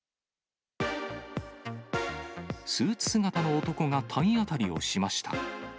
スーツ姿の男が体当たりをしました。